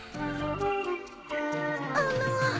あの。